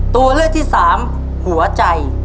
ตัวเลือกที่สามหัวใจ